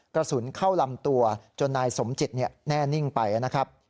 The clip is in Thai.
กระสุนเข้าลำตัวจนนายสมจิตแน่นิ่งไปนะครับ